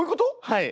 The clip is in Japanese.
はい。